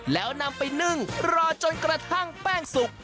แล้วนำไปนึ่งรอจนกระทั่งแป้งสุก